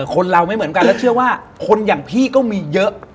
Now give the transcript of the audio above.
คนเราไม่เหมือนกันแล้วเชื่อว่าคนอย่างพี่ก็มีเยอะ